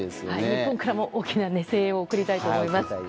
日本からも大きな声援を送りたいと思います。